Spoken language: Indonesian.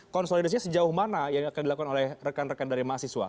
konsolidasinya sejauh mana yang akan dilakukan oleh rekan rekan dari mahasiswa